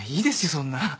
そんな。